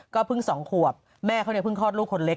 เพิ่ง๒ขวบแม่เขาเนี่ยเพิ่งคลอดลูกคนเล็ก